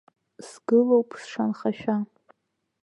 Сгылоуп сшанхашәа.